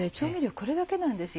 これだけなんですよ。